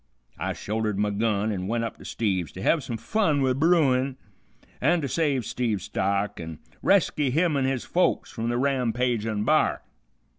I shouldered my gun an' went up to Steve's to hev some fun with bruin, an' to save Steve's stock, an' resky him an' his folks from the rampagin' b'ar.